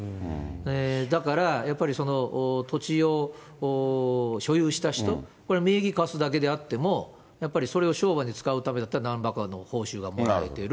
だから、やっぱり土地を所有した人、これ、名義貸すだけであっても、やっぱり、それを商売に使うためだったらば、なんらかの報酬はもらえてる。